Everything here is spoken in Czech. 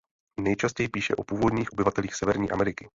Nejčastěji píše o původních obyvatelích Severní Ameriky.